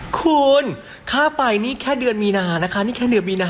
คุณค่าไฟนี่แค่เดือนมีนา